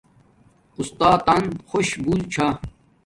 اُستاتن خوش بوہ چھا